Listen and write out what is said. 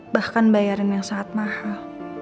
bahkan bayaran yang sangat mahal